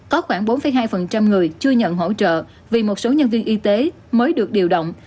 có khoảng bốn hai người chưa nhận hỗ trợ vì một số nhân viên y tế mới được điều động